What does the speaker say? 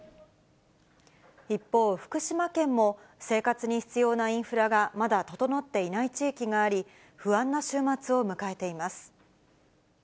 一方、福島県も、生活に必要なインフラが、まだ整っていない地域があり、不安な週末を迎えています。